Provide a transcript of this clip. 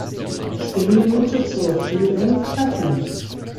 Spielminute zur Führung treffen.